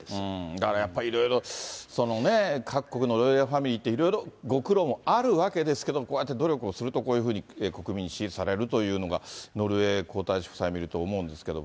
だからやっぱりいろいろ、そのね、各国のロイヤルファミリーっていうのもいろいろご苦労もあるわけですけど、こうやって努力をすると、こういうふうに国民に支持されるというのがノルウェー皇太子ご夫妻を見ると思うんですけど。